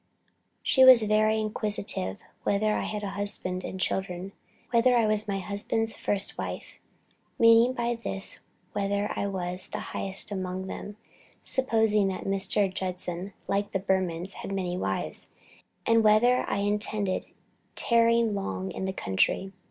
She was very inquisitive whether I had a husband and children, whether I was my husband's first wife, meaning by this whether I was the highest among them, supposing that Mr. Judson, like the Burmans, had many wives; and whether I intended tarrying long in the country.